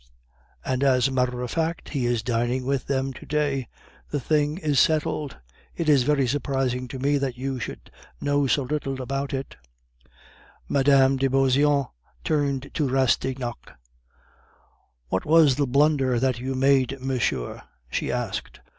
"And, as a matter of fact, he is dining with them to day; the thing is settled. It is very surprising to me that you should know so little about it." Mme. de Beauseant turned to Rastignac. "What was the blunder that you made, monsieur?" she asked.